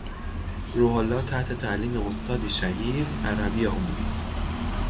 روح الله تحت تعلیم استادی شهیر عربی آموخت.